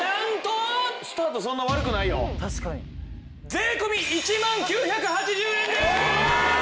税込１万９８０円です！